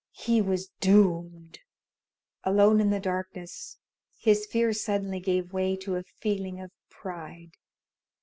He was doomed! Alone in the darkness, his fear suddenly gave way to a feeling of pride.